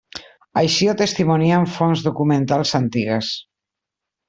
Així ho testimonien fonts documentals antigues.